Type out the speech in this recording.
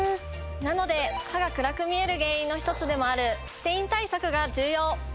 なので歯が暗く見える原因の１つでもあるステイン対策が重要！